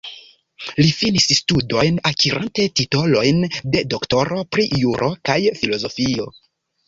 Li finis studojn akirante titolojn de doktoro pri juro kaj filozofio.